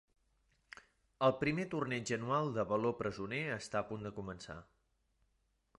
El primer torneig anual de baló presoner està a punt de començar.